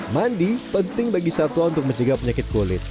mandi penting bagi satwa untuk menjaga penyakit kulit